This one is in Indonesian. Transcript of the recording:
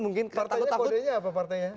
partainya kodenya apa partainya